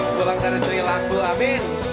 tulang dari seri laku amin